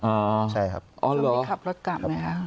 ตรงนี้ขับรถกลับไหมครับ